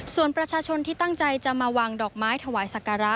ส่วนประชาชนที่ตั้งใจจะมาวางดอกไม้ถวายสักการะ